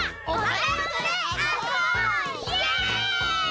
お！